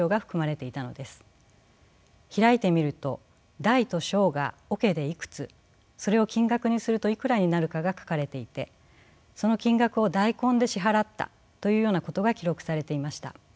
開いてみると大と小が桶でいくつそれを金額にするといくらになるかが書かれていてその金額を大根で支払ったというようなことが記録されていました。